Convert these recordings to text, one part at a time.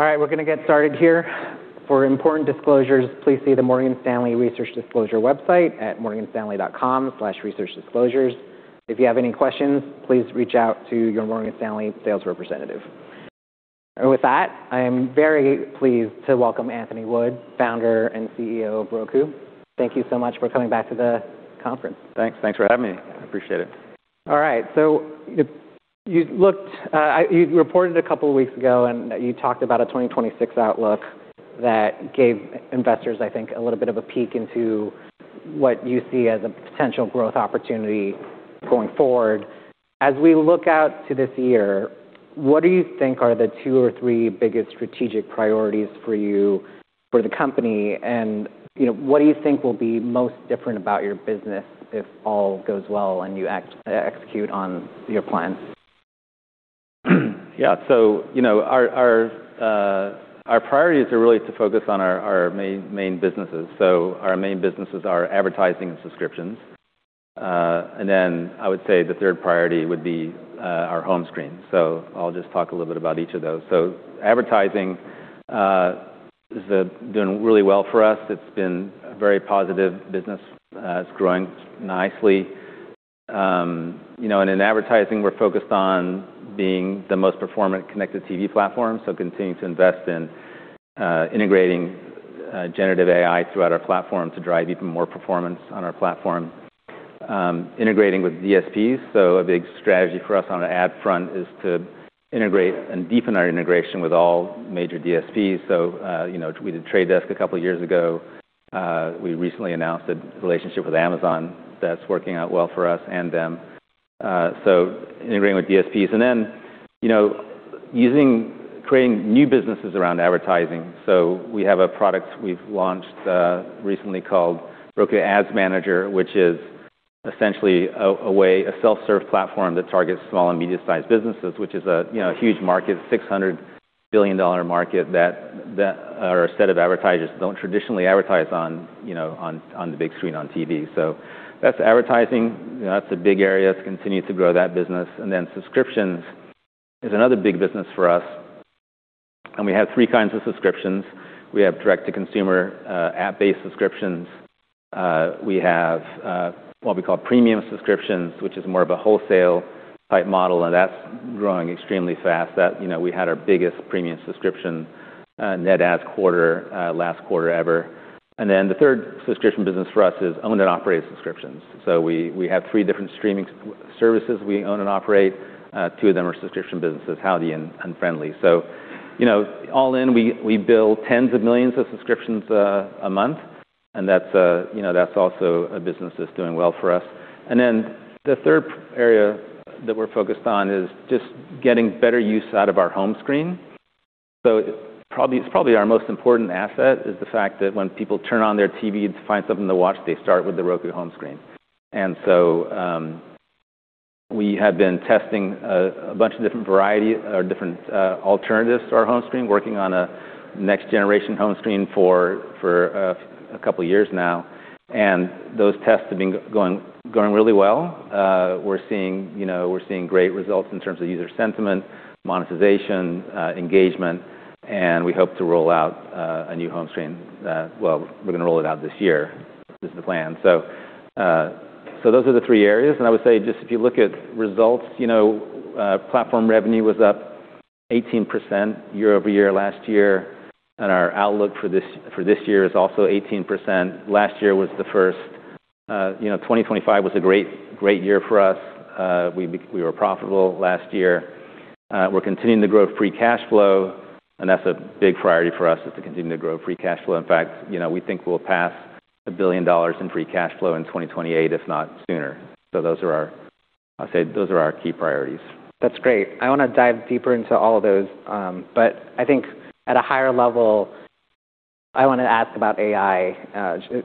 All right, we're gonna get started here. For important disclosures, please see the Morgan Stanley Research Disclosure website at morganstanley.com/researchdisclosures. If you have any questions, please reach out to your Morgan Stanley sales representative. With that, I am very pleased to welcome Anthony Wood, Founder and CEO of Roku. Thank you so much for coming back to the conference. Thanks. Thanks for having me. I appreciate it. All right. You looked, you reported a couple of weeks ago, and you talked about a 2026 outlook that gave investors, I think, a little bit of a peek into what you see as a potential growth opportunity going forward. As we look out to this year, what do you think are the two or three biggest strategic priorities for you, for the company, and, you know, what do you think will be most different about your business if all goes well and you execute on your plans? Yeah. You know, our priorities are really to focus on our main businesses. Our main businesses are advertising and subscriptions. Then I would say the third priority would be our home screen. I'll just talk a little bit about each of those. Advertising is doing really well for us. It's been a very positive business. It's growing nicely. You know, and in advertising, we're focused on being the most performant Connected TV platform, so continuing to invest in integrating generative AI throughout our platform to drive even more performance on our platform. Integrating with DSPs. A big strategy for us on the ad front is to integrate and deepen our integration with all major DSPs. You know, we did Trade Desk a couple of years ago. We recently announced a relationship with Amazon that's working out well for us and them. Integrating with DSPs. You know, creating new businesses around advertising. We have a product we've launched recently called Roku Ads Manager, which is essentially a way, a self-serve platform that targets small and medium-sized businesses, which is a, you know, huge market, $600 billion market that are a set of advertisers don't traditionally advertise on, you know, on the big screen on TV. That's advertising. You know, that's a big area to continue to grow that business. Subscriptions is another big business for us. We have three kinds of subscriptions. We have direct-to-consumer, app-based subscriptions. We have what we call premium subscriptions, which is more of a wholesale type model, and that's growing extremely fast. You know, we had our biggest premium subscription net add quarter last quarter ever. The third subscription business for us is own and operate subscriptions. We have three different streaming services we own and operate. Two of them are subscription businesses, Howdy and Frndly. You know, all in, we bill tens of millions of subscriptions a month, and that's, you know, that's also a business that's doing well for us. The third area that we're focused on is just getting better use out of our home screen. It's probably our most important asset, is the fact that when people turn on their TV to find something to watch, they start with the Roku home screen. We have been testing a bunch of different variety or different alternatives to our home screen, working on a next generation home screen for a couple of years now, and those tests have been going really well. We're seeing, you know, we're seeing great results in terms of user sentiment, monetization, engagement, and we hope to roll out a new home screen. Well, we're gonna roll it out this year is the plan. Those are the three areas. I would say just if you look at results, you know, platform revenue was up 18% year-over-year last year, and our outlook for this year is also 18%. Last year was the first, you know, 2025 was a great year for us. We were profitable last year. We're continuing to grow free cash flow. That's a big priority for us, is to continue to grow free cash flow. In fact, you know, we think we'll pass $1 billion in free cash flow in 2028, if not sooner. Those are our, I'd say those are our key priorities. That's great. I wanna dive deeper into all of those. I think at a higher level, I wanna ask about AI.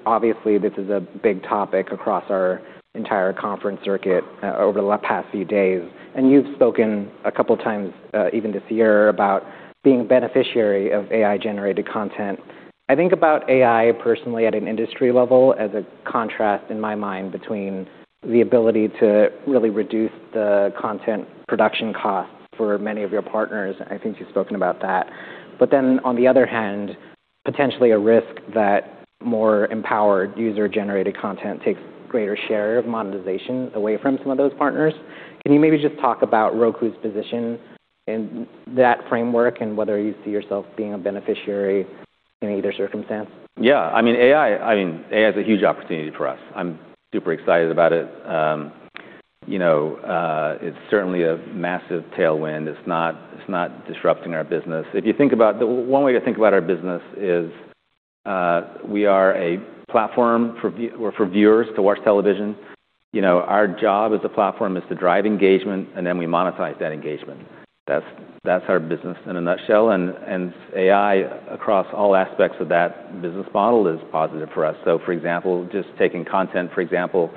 Obviously, this is a big topic across our entire conference circuit over the past few days. You've spoken two times even this year, about being a beneficiary of AI-generated content. I think about AI personally at an industry level as a contrast in my mind between the ability to really reduce the content production costs for many of your partners. I think you've spoken about that. On the other hand, potentially a risk that more empowered user-generated content takes greater share of monetization away from some of those partners. Can you maybe just talk about Roku's position in that framework and whether you see yourself being a beneficiary in either circumstance? Yeah. I mean, AI, I mean, AI is a huge opportunity for us. I'm super excited about it. You know, it's certainly a massive tailwind. It's not disrupting our business. If you think about... One way to think about our business is, we are a platform for viewers to watch television. You know, our job as a platform is to drive engagement, then we monetize that engagement. That's our business in a nutshell. AI, across all aspects of that business model, is positive for us. For example, just taking content, for example,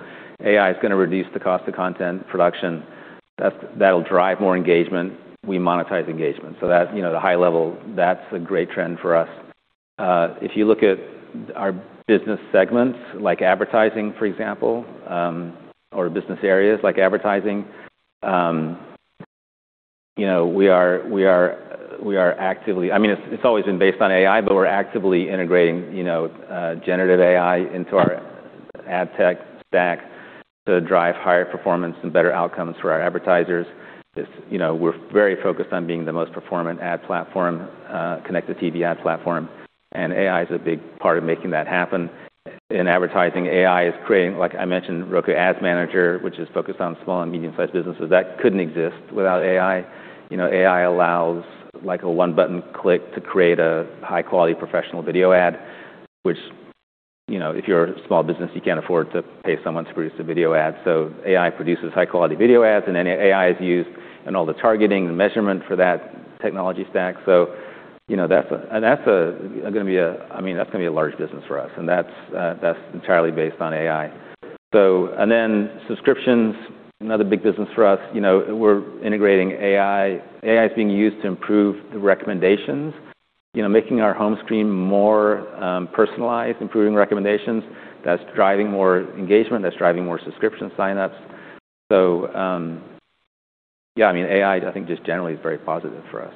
AI is gonna reduce the cost of content production. That'll drive more engagement. We monetize engagement. That, you know, the high level, that's a great trend for us. If you look at our business segments, like advertising, for example, or business areas like advertising, you know, we are actively, I mean, it's always been based on AI, but we're actively integrating, you know, generative AI into our ad tech stack to drive higher performance and better outcomes for our advertisers. It's, you know, we're very focused on being the most performant ad platform, Connected TV ad platform, and AI is a big part of making that happen. In advertising, AI is creating, like I mentioned, Roku Ads Manager, which is focused on small and medium-sized businesses. That couldn't exist without AI. You know, AI allows like a one-button click to create a high-quality professional video ad, which, you know, if you're a small business, you can't afford to pay someone to produce a video ad. AI produces high-quality video ads, and then AI is used in all the targeting and measurement for that technology stack. You know, that's a, and that's gonna be a large business for us, and that's entirely based on AI. Subscriptions, another big business for us, you know, we're integrating AI. AI is being used to improve the recommendations. You know, making our home screen more personalized, improving recommendations, that's driving more engagement, that's driving more subscription signups. Yeah, I mean, AI, I think, just generally is very positive for us.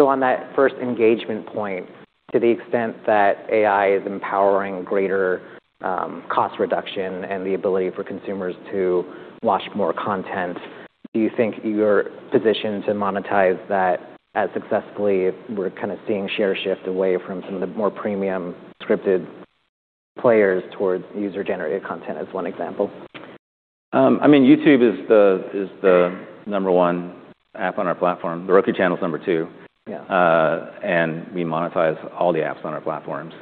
On that first engagement point, to the extent that AI is empowering greater cost reduction and the ability for consumers to watch more content, do you think you're positioned to monetize that as successfully if we're kind of seeing share shift away from some of the more premium scripted players towards user-generated content as one example? I mean, YouTube is the number one app on our platform. The Roku Channel's number two. Yeah. We monetize all the apps on our platform.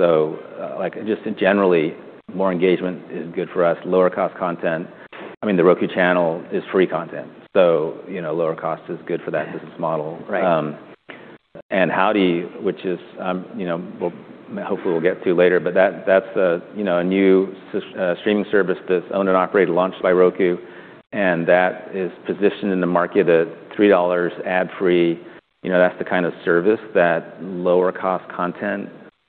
Like just generally, more engagement is good for us. Lower cost content. I mean, The Roku Channel is free content, you know, lower cost is good for that business model. Right. Howdy, which is, you know, we'll, hopefully, we'll get to later, but that's a, you know, a new streaming service that's owned and operated, launched by Roku, and that is positioned in the market at $3 ad-free. You know, that's the kind of service that lower cost content,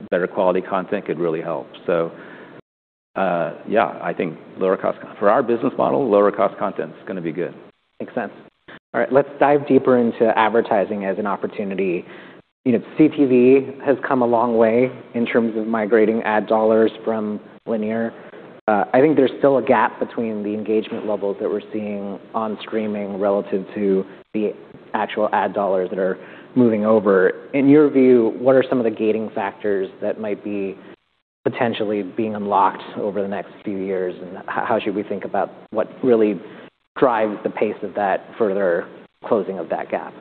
better quality content could really help. Yeah, I think lower cost, for our business model, lower cost content's gonna be good. Makes sense. All right. Let's dive deeper into advertising as an opportunity. You know, CTV has come a long way in terms of migrating ad dollars from linear. I think there's still a gap between the engagement levels that we're seeing on streaming relative to the actual ad dollars that are moving over. In your view, what are some of the gating factors that might be potentially being unlocked over the next few years? How should we think about what really drives the pace of that further closing of that gap?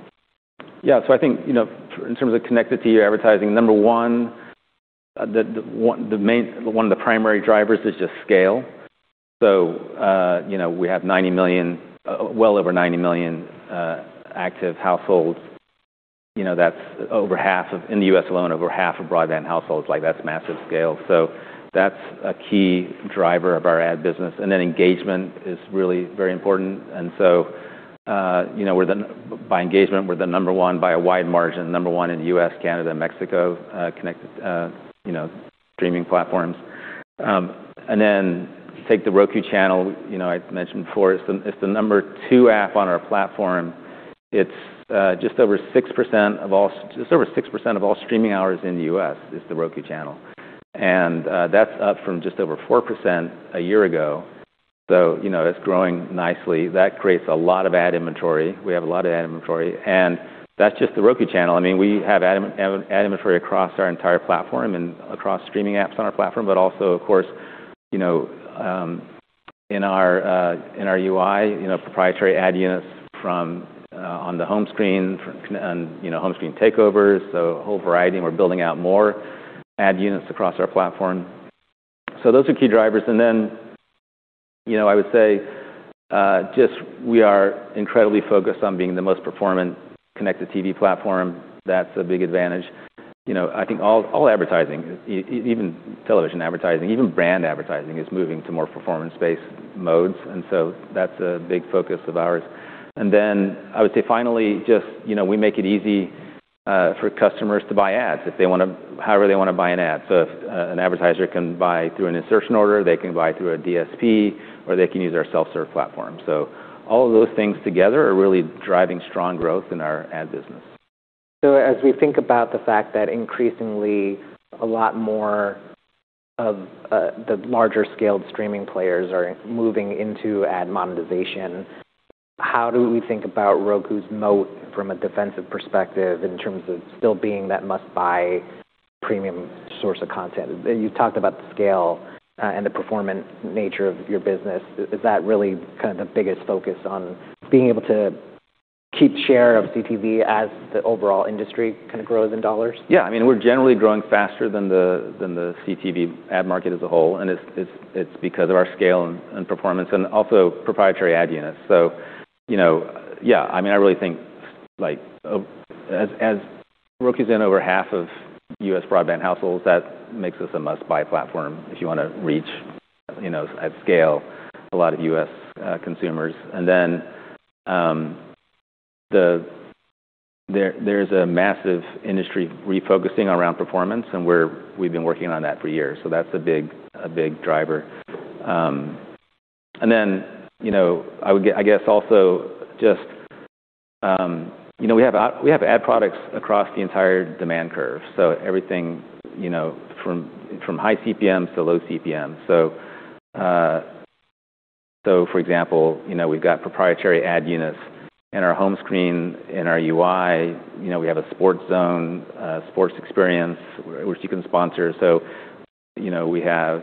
I think, you know, in terms of Connected TV advertising, number one, one of the primary drivers is just scale. You know, we have 90 million, well over 90 million, active households. You know, that's over half of... In the U.S. alone, over half of broadband households, like that's massive scale. That's a key driver of our ad business. Engagement is really very important. You know, by engagement, we're the number one by a wide margin, number one in the U.S., Canada, and Mexico, connected, you know, streaming platforms. Take The Roku Channel, you know, I mentioned before, it's the number two app on our platform. It's just over 6% of all streaming hours in the U.S., is The Roku Channel. That's up from just over 4% a year ago. You know, it's growing nicely. That creates a lot of ad inventory. We have a lot of ad inventory. That's just The Roku Channel. I mean, we have ad inventory across our entire platform and across streaming apps on our platform, but also, of course, you know, in our UI, you know, proprietary ad units from on the home screen and, you know, home screen takeovers. A whole variety, and we're building out more ad units across our platform. Those are key drivers. You know, I would say, just we are incredibly focused on being the most performant Connected TV platform. That's a big advantage. You know, I think all advertising, even television advertising, even brand advertising, is moving to more performance-based modes. That's a big focus of ours. I would say finally, just, you know, we make it easy for customers to buy ads however they wanna buy an ad. If an advertiser can buy through an insertion order, they can buy through a DSP, or they can use our self-serve platform. All of those things together are really driving strong growth in our ad business. As we think about the fact that increasingly a lot more of, the larger scaled streaming players are moving into ad monetization, how do we think about Roku's moat from a defensive perspective in terms of still being that must-buy premium source of content? You've talked about the scale, and the performant nature of your business. Is that really kind of the biggest focus on being able to keep share of CTV as the overall industry kind of grows in dollars? Yeah. I mean, we're generally growing faster than the CTV ad market as a whole, and it's because of our scale and performance and also proprietary ad units. You know, yeah, I mean, I really think like, as Roku's in over 1/2 of U.S. broadband households, that makes us a must-buy platform if you wanna reach, you know, at scale a lot of U.S. consumers. Then there's a massive industry refocusing around performance, and we've been working on that for years. That's a big driver. Then, you know, I guess also just, you know, we have ad products across the entire demand curve. Everything, you know, from high CPMs to low CPMs. For example, you know, we've got proprietary ad units in our home screen, in our UI. You know, we have a sports zone, sports experience which you can sponsor. You know,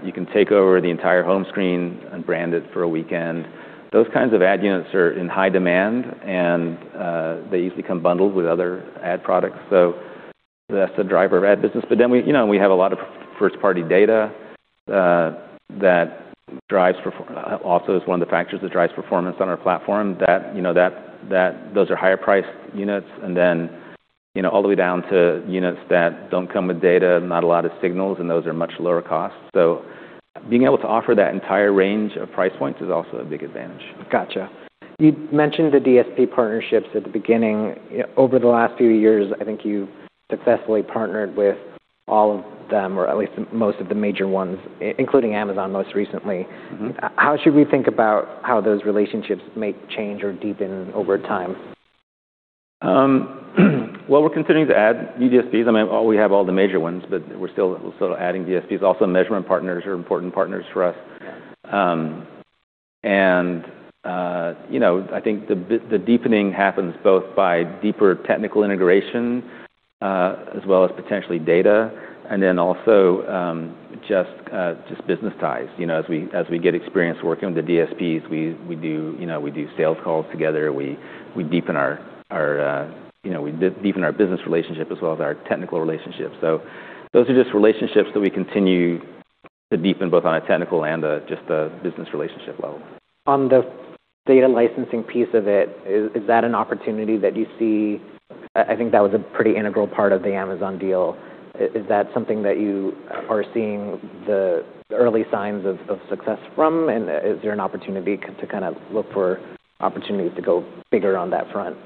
you can take over the entire home screen and brand it for a weekend. Those kinds of ad units are in high demand, and they usually come bundled with other ad products. That's the driver of ad business. We, you know, we have a lot of first-party data that also is one of the factors that drives performance on our platform that, you know, that those are higher priced units and then, you know, all the way down to units that don't come with data, not a lot of signals, and those are much lower cost. Being able to offer that entire range of price points is also a big advantage. Gotcha. You mentioned the DSP partnerships at the beginning. Over the last few years, I think you've successfully partnered with all of them, or at least most of the major ones, including Amazon most recently. Mm-hmm. How should we think about how those relationships may change or deepen over time? Well, we're continuing to add DSPs. I mean, we have all the major ones, but we're still adding DSPs. Also, measurement partners are important partners for us. You know, I think the deepening happens both by deeper technical integration, as well as potentially data, and then also, just business ties. You know, as we get experience working with the DSPs, we do, you know, we do sales calls together. We deepen our, you know, we deepen our business relationship as well as our technical relationships. Those are just relationships that we continue to deepen both on a technical and just the business relationship level. On the data licensing piece of it, is that an opportunity that you see? I think that was a pretty integral part of the Amazon deal. Is that something that you are seeing the early signs of success from? Is there an opportunity to kind of look for opportunities to go bigger on that front?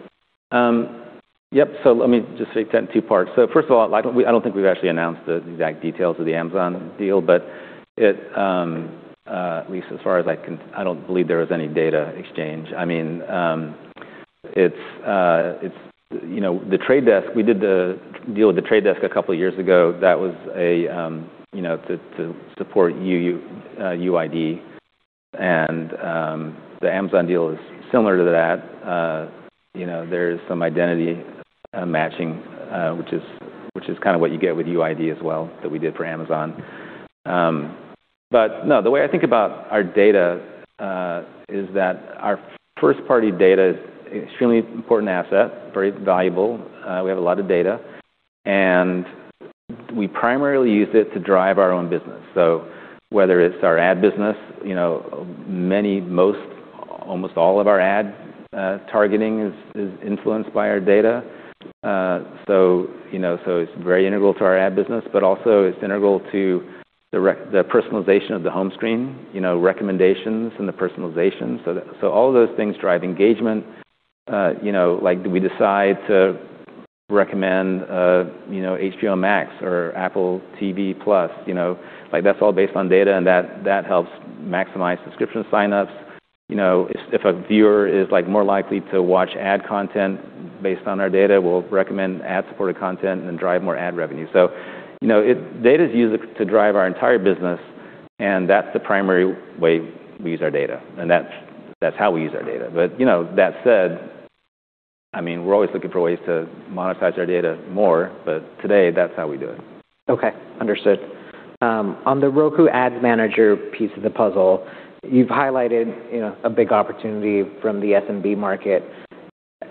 Yep. Let me just take that in two parts. First of all, I don't, I don't think we've actually announced the exact details of the Amazon deal, but it, at least as far as I can, I don't believe there was any data exchange. I mean, it's, you know, The Trade Desk, we did the deal with The Trade Desk a couple years ago. That was a, you know, to support UU, UID. The Amazon deal is similar to that. You know, there is some identity matching, which is, which is kind of what you get with UID as well that we did for Amazon. But no, the way I think about our data is that our first-party data is extremely important asset, very valuable. We have a lot of data. We primarily use it to drive our own business. Whether it's our ad business, you know, many, most, almost all of our ad targeting is influenced by our data. You know, so it's very integral to our ad business, but also it's integral to the personalization of the home screen, you know, recommendations and the personalization. All those things drive engagement. You know, like do we decide to recommend, you know, HBO Max or Apple TV+? You know, like, that helps maximize subscription sign-ups. You know, if a viewer is, like, more likely to watch ad content based on our data, we'll recommend ad-supported content and drive more ad revenue. You know, data's used to drive our entire business, and that's the primary way we use our data, and that's how we use our data. You know, that said, I mean, we're always looking for ways to monetize our data more, but today that's how we do it. Okay. Understood. On the Roku Ads Manager piece of the puzzle, you've highlighted, you know, a big opportunity from the SMB market.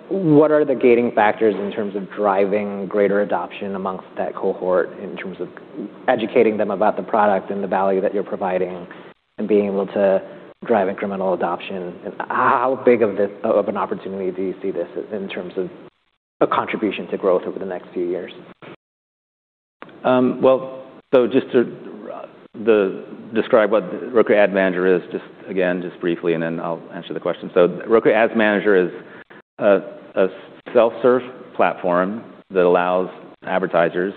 What are the gating factors in terms of driving greater adoption amongst that cohort in terms of educating them about the product and the value that you're providing and being able to drive incremental adoption? How big of an opportunity do you see this as in terms of a contribution to growth over the next few years? Well, just to describe what Roku Ads Manager is, just again, just briefly, then I'll answer the question. Roku Ads Manager is a self-serve platform that allows advertisers,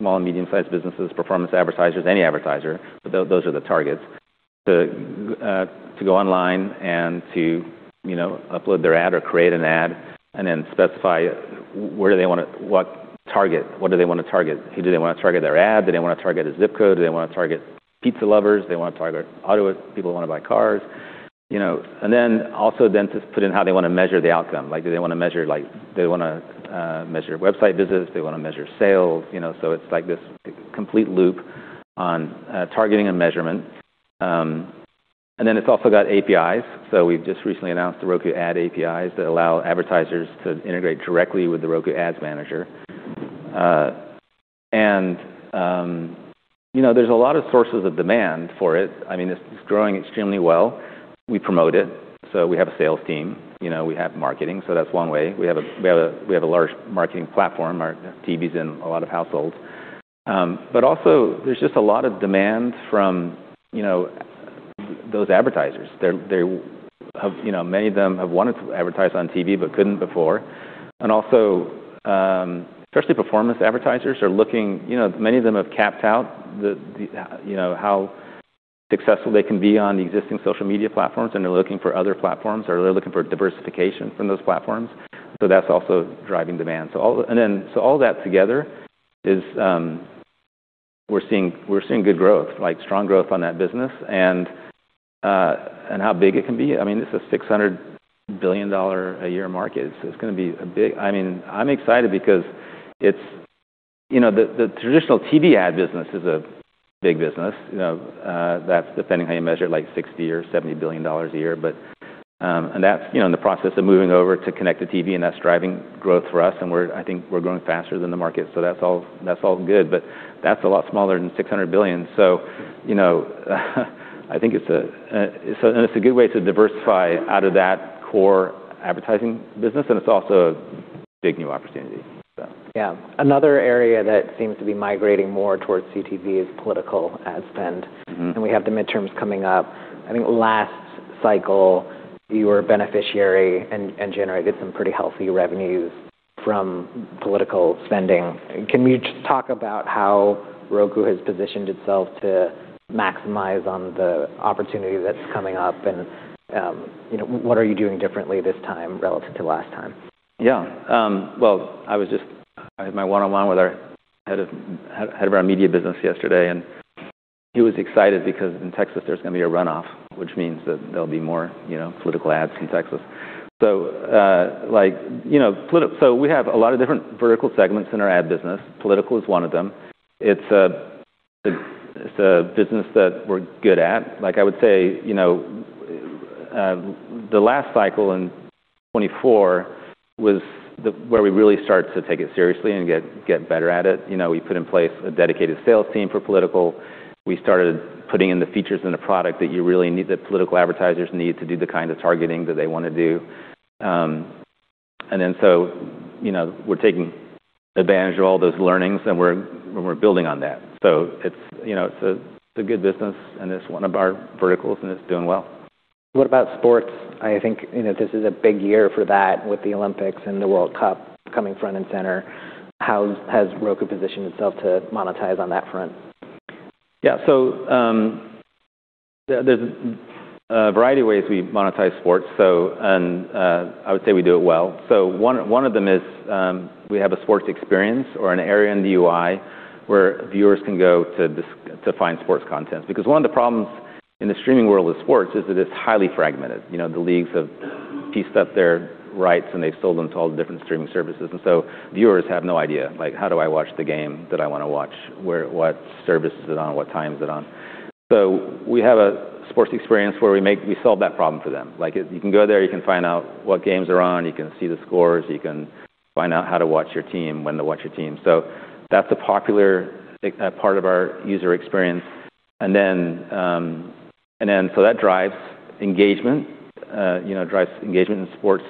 small and medium-sized businesses, performance advertisers, any advertiser, those are the targets, to go online and to, you know, upload their ad or create an ad then specify what target. What do they wanna target? Do they wanna target their ad? Do they wanna target a zip code? Do they wanna target pizza lovers? Do they wanna target auto, people who wanna buy cars? You know, then also then to put in how they wanna measure the outcome. Like, do they wanna measure, like, do they wanna measure website visits? Do they wanna measure sales? You know, it's like this complete loop on targeting and measurement. It's also got APIs. We've just recently announced the Roku Ads API that allow advertisers to integrate directly with the Roku Ads Manager. You know, there's a lot of sources of demand for it. I mean, it's growing extremely well. We promote it. We have a sales team. You know, we have marketing, that's one way. We have a large marketing platform. Our TV is in a lot of households. There's just a lot of demand from, you know, those advertisers, they have, you know, many of them have wanted to advertise on TV but couldn't before. Especially performance advertisers are looking, you know, many of them have capped out how successful they can be on the existing social media platforms, and they're looking for other platforms, or they're looking for diversification from those platforms. That's also driving demand. All that together is we're seeing good growth, like strong growth on that business and how big it can be. I mean, this is a $600 billion-a-year market. I mean, I'm excited because it's, you know, the traditional TV ad business is a big business. You know, that's depending on how you measure it, like $60 billion or $70 billion a year. That's, you know, in the process of moving over to Connected TV, and that's driving growth for us, and I think we're growing faster than the market. That's all good. That's a lot smaller than $600 billion. You know, I think it's a. It's a good way to diversify out of that core advertising business, and it's also a big new opportunity, so... Yeah. Another area that seems to be migrating more towards CTV is political ad spend. Mm-hmm. We have the midterms coming up. I think last cycle, you were a beneficiary and generated some pretty healthy revenues from political spending. Can you just talk about how Roku has positioned itself to maximize on the opportunity that's coming up? You know, what are you doing differently this time relative to last time? Well, I had my one-on-one with our head of our media business yesterday. He was excited because in Texas there's gonna be a runoff, which means that there'll be more, you know, political ads in Texas. Like, you know, we have a lot of different vertical segments in our ad business. Political is one of them. It's a, it's a business that we're good at. Like, I would say, you know, the last cycle in 2024 was where we really started to take it seriously and get better at it. You know, we put in place a dedicated sales team for political. We started putting in the features and the product that you really need, that political advertisers need to do the kind of targeting that they wanna do. You know, we're taking advantage of all those learnings, and we're building on that. It's, you know, it's a good business, and it's one of our verticals, and it's doing well. What about sports? I think, you know, this is a big year for that with the Olympics and the World Cup coming front and center. How has Roku positioned itself to monetize on that front? Yeah. There's a variety of ways we monetize sports. I would say we do it well. One of them is, we have a sports experience or an area in the UI where viewers can go to find sports content. One of the problems in the streaming world of sports is that it's highly fragmented. You know, the leagues have pieced up their rights, and they've sold them to all the different streaming services. Viewers have no idea, like, "How do I watch the game that I wanna watch? Where, what service is it on? What time is it on?" We have a sports experience where we solve that problem for them. Like, you can go there, you can find out what games are on, you can see the scores, you can find out how to watch your team, when to watch your team. That's a popular part of our user experience. That drives engagement, you know, drives engagement in sports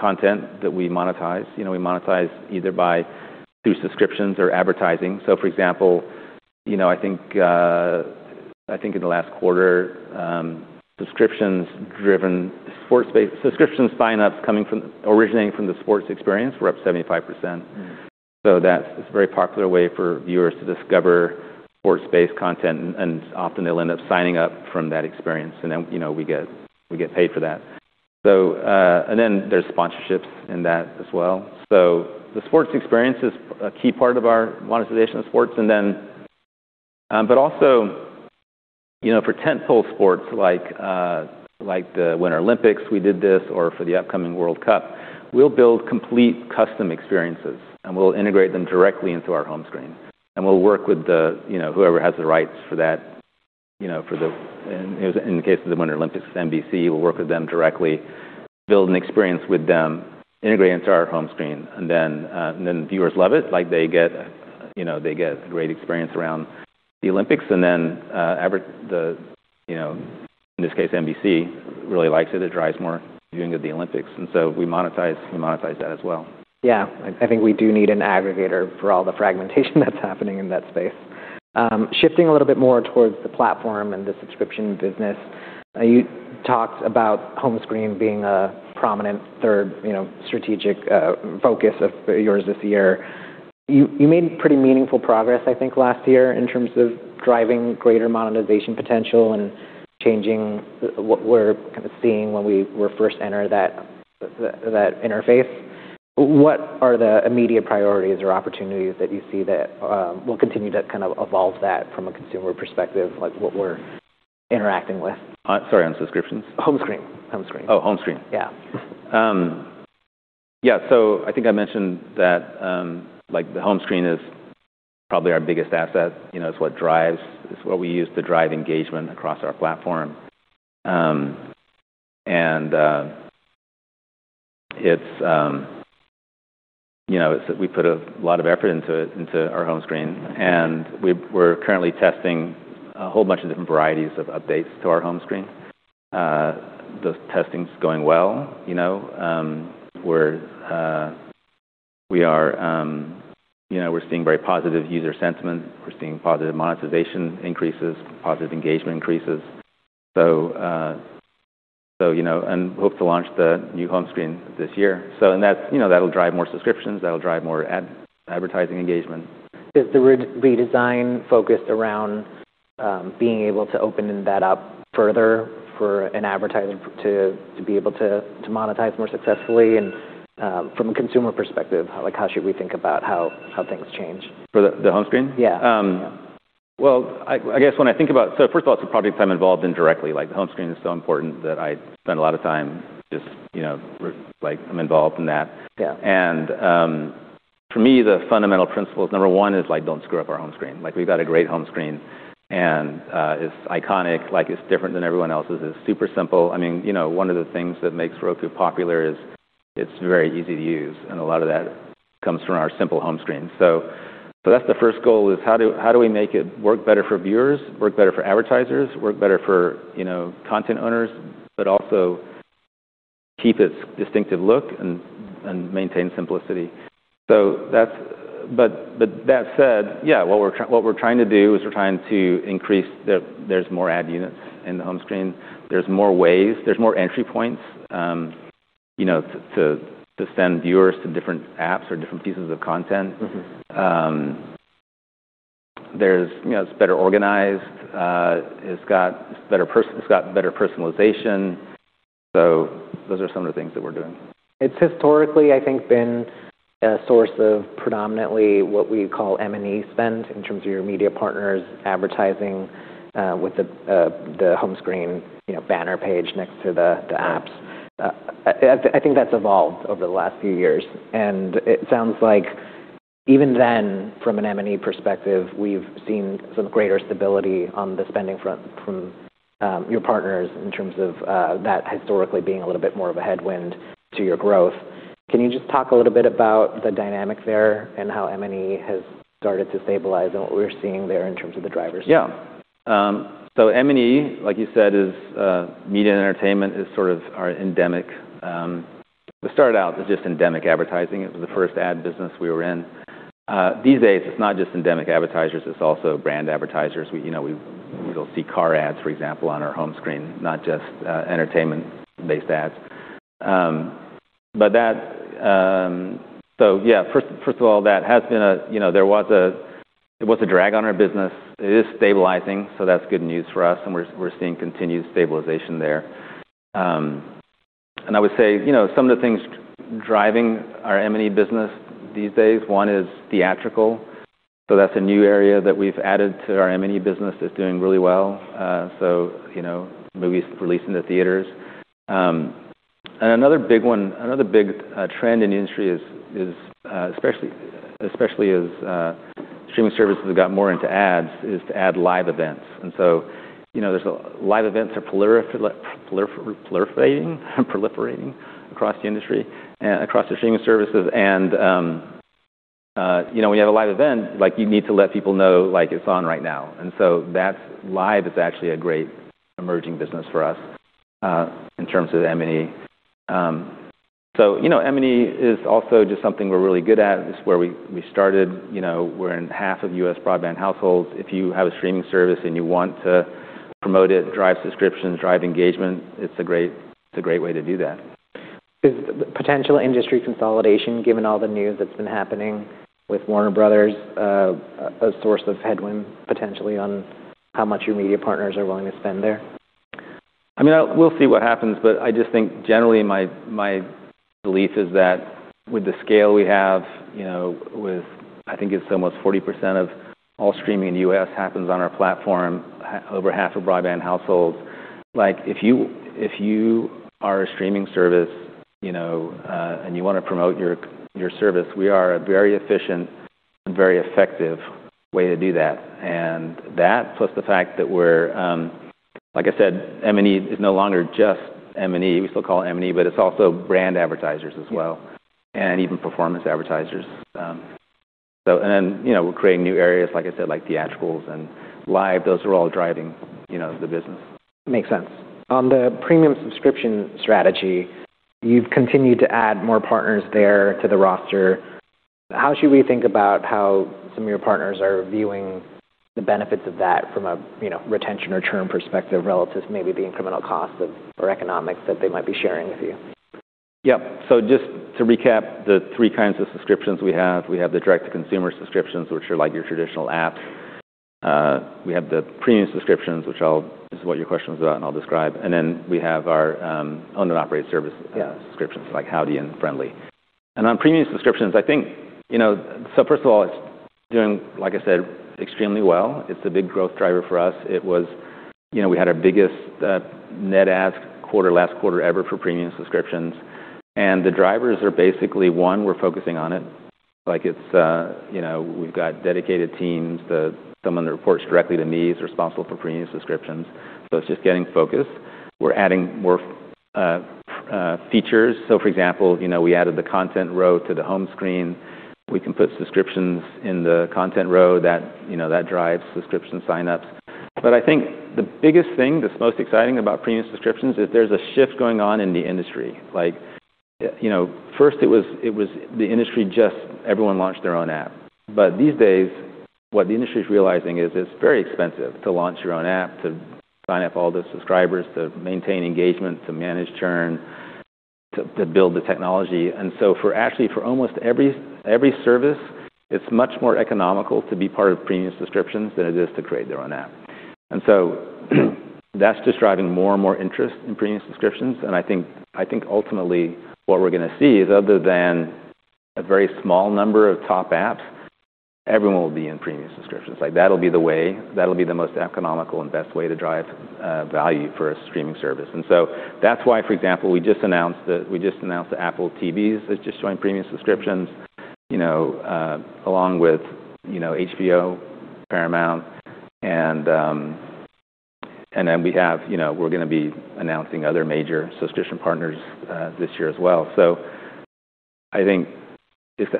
content that we monetize. You know, we monetize either through subscriptions or advertising. For example, you know, I think, I think in the last quarter, subscriptions-driven, sports-based subscriptions sign-ups coming from, originating from the sports experience were up 75%. Mm-hmm. That's a very popular way for viewers to discover sports-based content, and often they'll end up signing up from that experience. You know, we get paid for that. There's sponsorships in that as well. The sports experience is a key part of our monetization of sports. You know, for tentpole sports like the Winter Olympics, we did this, or for the upcoming World Cup, we'll build complete custom experiences, and we'll integrate them directly into our home screen. We'll work with the, you know, whoever has the rights for that, you know. In the case of the Winter Olympics, it's NBC. We'll work with them directly, build an experience with them, integrate into our home screen. Viewers love it. Like, they get, you know, they get a great experience around the Olympics. You know, in this case, NBC really likes it. It drives more viewing of the Olympics. We monetize that as well. Yeah. I think we do need an aggregator for all the fragmentation that's happening in that space. Shifting a little bit more towards the platform and the subscription business. You talked about home screen being a prominent third, you know, strategic focus of yours this year. You made pretty meaningful progress, I think, last year in terms of driving greater monetization potential and changing what we're kind of seeing when we first enter that interface. What are the immediate priorities or opportunities that you see that will continue to kind of evolve that from a consumer perspective, like what we're interacting with? Sorry, on subscriptions? Home screen. Oh, home screen. Yeah. Yeah. I think I mentioned that, like, the home screen is probably our biggest asset. You know, it's what we use to drive engagement across our platform. And, you know, we put a lot of effort into it, into our home screen. We're currently testing a whole bunch of different varieties of updates to our home screen. The testing's going well, you know. We are, you know, we're seeing very positive user sentiment. We're seeing positive monetization increases, positive engagement increases. You know, and hope to launch the new home screen this year. That's, you know, that'll drive more subscriptions, that'll drive more advertising engagement. Is the redesign focused around, being able to open that up further for an advertiser to be able to monetize more successfully and, from a consumer perspective, like, how should we think about how things change? For the home screen? Yeah. Well, I guess when I think about. First of all, it's a project I'm involved in directly. Like, the home screen is so important that I spend a lot of time just, you know, like, I'm involved in that. Yeah. For me, the fundamental principles, number one, is, like, don't screw up our home screen. Like, we've got a great home screen, and it's iconic. Like, it's different than everyone else's. It's super simple. I mean, you know, one of the things that makes Roku popular is it's very easy to use, and a lot of that comes from our simple home screen. That's the first goal is how do we make it work better for viewers, work better for advertisers, work better for, you know, content owners, but also keep its distinctive look and maintain simplicity? That's... That said, yeah, what we're trying to do is we're trying to increase, there's more ad units in the home screen. There's more ways, there's more entry points, you know, to send viewers to different apps or different pieces of content. Mm-hmm. There's, you know, it's better organized. It's got better personalization. Those are some of the things that we're doing. It's historically, I think, been a source of predominantly what we call M&E spend in terms of your media partners advertising, with the home screen, you know, banner page next to the apps. I think that's evolved over the last few years. It sounds like even then, from an M&E perspective, we've seen some greater stability on the spending front from your partners in terms of that historically being a little bit more of a headwind to your growth. Can you just talk a little bit about the dynamic there and how M&E has started to stabilize and what we're seeing there in terms of the drivers? Yeah. M&E, like you said, is media and entertainment is sort of our endemic. It started out as just endemic advertising. It was the first ad business we were in. These days, it's not just endemic advertisers, it's also brand advertisers. We, you know, you'll see car ads, for example, on our home screen, not just entertainment-based ads. That, first of all, that has been a, you know, there was a, it was a drag on our business. It is stabilizing, that's good news for us, and we're seeing continued stabilization there. I would say, you know, some of the things driving our M&E business these days, one is theatrical. That's a new area that we've added to our M&E business that's doing really well. You know, movies released into theaters. Another big one, another big trend in the industry is especially as streaming services have got more into ads, is to add live events. You know, there's a... Live events are proliferating across the industry and across the streaming services. You know, when you have a live event, like, you need to let people know, like, it's on right now. So that's... Live is actually a great emerging business for us, in terms of M&E. You know, M&E is also just something we're really good at. It's where we started. You know, we're in 1/2 of U.S. broadband households. If you have a streaming service and you want to promote it, drive subscriptions, drive engagement, it's a great way to do that. Is potential industry consolidation, given all the news that's been happening with Warner Bros, a source of headwind potentially on how much your media partners are willing to spend there? I mean, we'll see what happens, but I just think generally my belief is that with the scale we have, you know, with I think it's almost 40% of all streaming in the U.S. happens on our platform, over half of broadband households. Like, if you are a streaming service, you know, and you wanna promote your service, we are a very efficient and very effective way to do that. That plus the fact that we're, like I said, M&E is no longer just M&E. We still call it M&E, but it's also brand advertisers as well, and even performance advertisers. You know, we're creating new areas, like I said, like theatricals and live. Those are all driving, you know, the business. Makes sense. On the premium subscription strategy, you've continued to add more partners there to the roster. How should we think about how some of your partners are viewing the benefits of that from a, you know, retention or churn perspective relative to maybe the incremental cost of, or economics that they might be sharing with you? Yeah. Just to recap the three kinds of subscriptions we have. We have the direct-to-consumer subscriptions, which are like your traditional app. We have the premium subscriptions, which this is what your question was about, and I'll describe. We have our owned and operated service- Yeah.... subscriptions like Howdy and Frndly TV. On premium subscriptions, I think, you know. First of all, it's doing, like I said, extremely well. It's a big growth driver for us. It was, you know, we had our biggest net ads quarter last quarter ever for premium subscriptions. The drivers are basically, one, we're focusing on it. Like it's, you know, we've got dedicated teams. Someone that reports directly to me is responsible for premium subscriptions. It's just getting focused. We're adding more features. For example, you know, we added the content row to the home screen. We can put subscriptions in the content row that, you know, that drives subscription signups. I think the biggest thing that's most exciting about premium subscriptions is there's a shift going on in the industry. Like, you know, first it was the industry just everyone launched their own app. These days, what the industry is realizing is it's very expensive to launch your own app, to sign up all the subscribers, to maintain engagement, to manage churn, to build the technology. For actually for almost every service, it's much more economical to be part of premium subscriptions than it is to create their own app. That's just driving more and more interest in premium subscriptions. I think ultimately what we're gonna see is other than a very small number of top apps, everyone will be in premium subscriptions. Like, that'll be the way, that'll be the most economical and best way to drive value for a streaming service. That's why, for example, we just announced that Apple TV has just joined premium subscriptions, you know, along with, you know, HBO, Paramount, and then we have, you know, we're gonna be announcing other major subscription partners this year as well.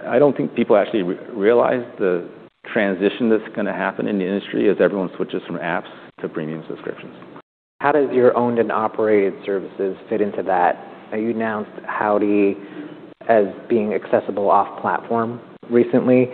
I don't think people actually realize the transition that's gonna happen in the industry as everyone switches from apps to premium subscriptions. How does your owned and operated services fit into that? You announced Howdy as being accessible off-platform recently.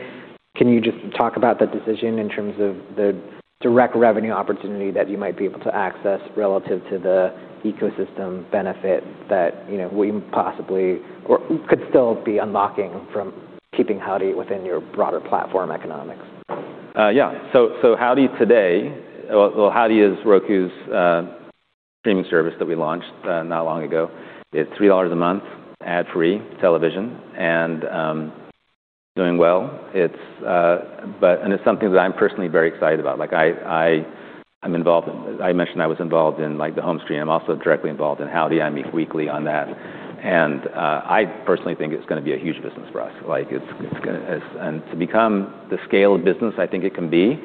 Can you just talk about the decision in terms of the direct revenue opportunity that you might be able to access relative to the ecosystem benefit that, you know, we possibly or could still be unlocking from keeping Howdy within your broader platform economics? Yeah. Howdy today... Well, Howdy is Roku's streaming service that we launched not long ago. It's $3-a-month, ad-free television, and doing well. It's something that I'm personally very excited about. Like, I mentioned I was involved in, like, the home screen. I'm also directly involved in Howdy. I meet weekly on that. I personally think it's gonna be a huge business for us. Like, to become the scale of business I think it can be,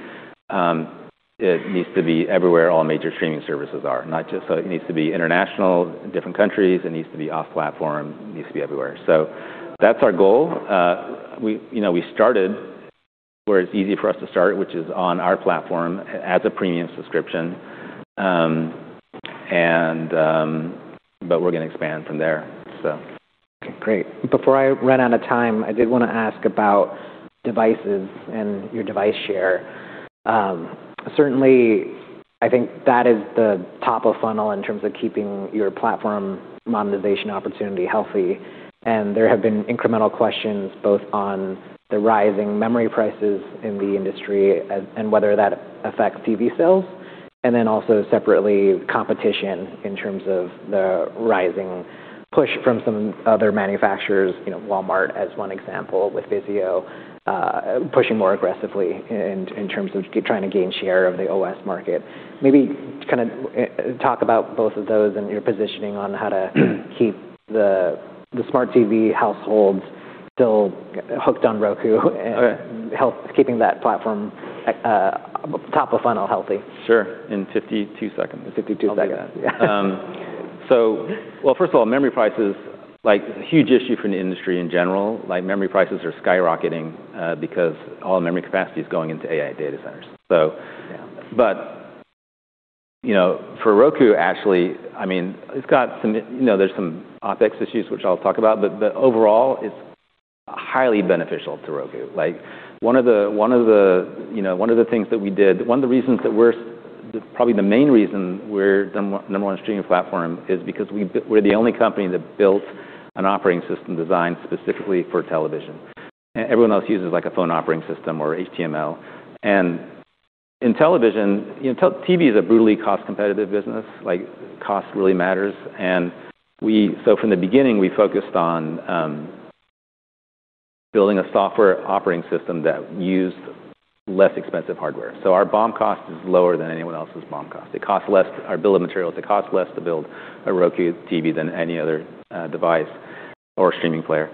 it needs to be everywhere all major streaming services are. Not just. It needs to be international, in different countries, it needs to be off-platform, it needs to be everywhere. That's our goal. We, you know, we started where it's easy for us to start, which is on our platform as a premium subscription. We're gonna expand from there. Okay, great. Before I run out of time, I did wanna ask about devices and your device share. Certainly, I think that is the top of funnel in terms of keeping your platform monetization opportunity healthy. There have been incremental questions both on the rising memory prices in the industry and whether that affects TV sales, and then also separately, competition in terms of the rising push from some other manufacturers, you know, Walmart as one example, with VIZIO, pushing more aggressively in terms of trying to gain share of the OS market. Maybe kind of talk about both of those and your positioning on how to keep the smart TV households still hooked on Roku and help keeping that platform, top of funnel healthy. Sure. In 52 seconds. In 52 seconds. I'll do that. Yeah. Well, first of all, memory prices, like huge issue for the industry in general. Like, memory prices are skyrocketing, because all the memory capacity is going into AI data centers. Yeah. You know, for Roku, actually, I mean, it's got some, you know, there's some OpEx issues, which I'll talk about. Overall, it's highly beneficial to Roku. One of the, you know, one of the things that we did, one of the reasons that we're probably the main reason we're number one streaming platform is because we're the only company that built an operating system designed specifically for television. Everyone else uses, like, a phone operating system or HTML. In television, you know, TV is a brutally cost-competitive business. Cost really matters. From the beginning, we focused on building a software operating system that used less expensive hardware. Our BOM cost is lower than anyone else's BOM cost. It costs less, our bill of materials, it costs less to build a Roku TV than any other device or streaming player.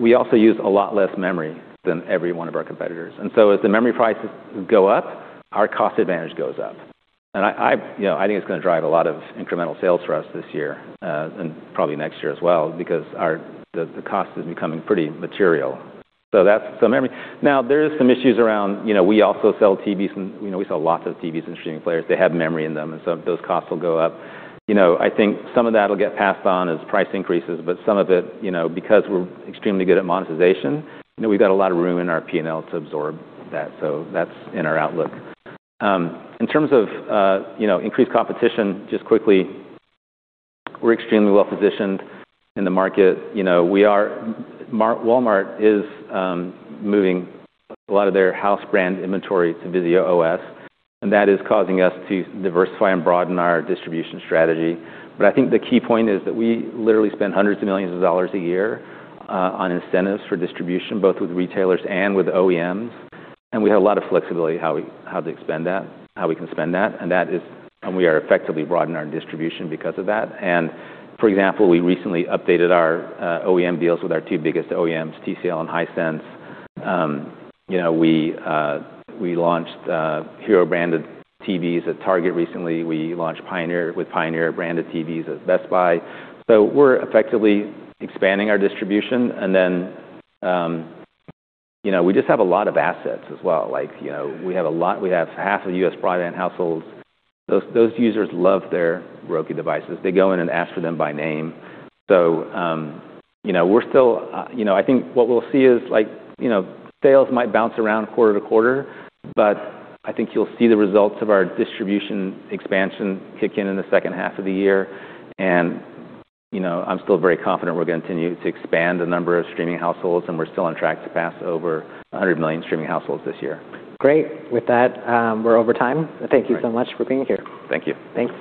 We also use a lot less memory than every one of our competitors. As the memory prices go up, our cost advantage goes up. I, you know, I think it's gonna drive a lot of incremental sales for us this year and probably next year as well because the cost is becoming pretty material. That's the memory. Now, there is some issues around, you know, we also sell TVs and, you know, we sell lots of TVs and streaming players. They have memory in them, those costs will go up. You know, I think some of that will get passed on as price increases, some of it, you know, because we're extremely good at monetization, you know, we've got a lot of room in our P&L to absorb that. That's in our outlook. In terms of, you know, increased competition, just quickly, we're extremely well-positioned in the market. You know, Walmart is moving a lot of their house brand inventory to VIZIO OS, that is causing us to diversify and broaden our distribution strategy. I think the key point is that we literally spend $hundreds of millions a year on incentives for distribution, both with retailers and with OEMs. We have a lot of flexibility how we can spend that. We are effectively broadening our distribution because of that. For example, we recently updated our OEM deals with our two biggest OEMs, TCL and Hisense. You know, we launched Hisense branded TVs at Target recently. We launched Pioneer, with Pioneer branded TVs at Best Buy. We're effectively expanding our distribution. You know, we just have a lot of assets as well. Like, you know, we have a lot. We have half of U.S. broadband households. Those users love their Roku devices. They go in and ask for them by name. You know, we're still, you know, I think what we'll see is, like, you know, sales might bounce around quarter to quarter, but I think you'll see the results of our distribution expansion kick in in the second half of the year. You know, I'm still very confident we're gonna continue to expand the number of streaming households, and we're still on track to pass over 100 million streaming households this year. Great. With that, we're over time. Great. Thank you so much for being here. Thank you. Thanks.